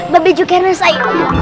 babe juki hanusai